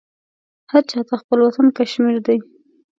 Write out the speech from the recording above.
هر چاته خپل وطن کشمير دى.